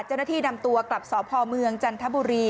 เจ้าหน้าที่นำตัวกลับสพเมืองจันทบุรี